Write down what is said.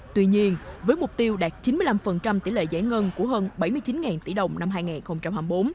tuy nhiên với mục tiêu đạt chín mươi năm tỷ lệ giải ngân của hơn bảy mươi chín tỷ đồng năm hai nghìn hai mươi bốn